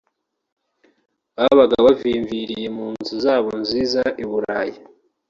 babaga bavimviriye mu nzu zabo nziza i Burayi